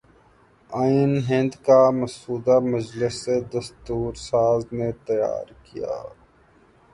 آئین ہند کا مسودہ مجلس دستور ساز نے تیار کیا